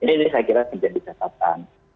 ini saya kira menjadi catatan